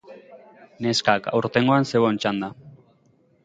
Neskak, aurtengoan zeuon txanda!